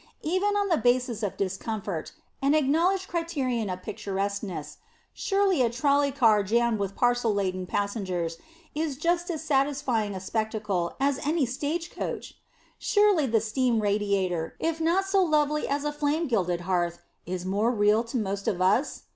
Even on the basis of discomfort (an acknowledged criterion of picturesqueness) surely a trolley car jammed with parcel laden passengers is just as satisfying a spectacle as any stage coach? Surely the steam radiator, if not so lovely as a flame gilded hearth, is more real to most of us?